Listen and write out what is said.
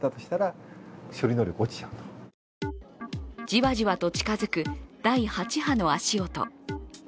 じわじわと近づく第８波の足音。